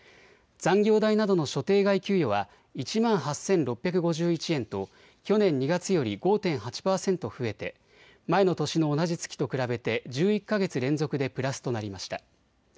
残業代などの所定外給与は１万８６５１円と去年２月より５．８％増えて前の年の同じ月と比べて１１か月連続でプラスとなりました。